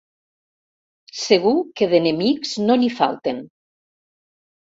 Segur que d'enemics no n'hi falten.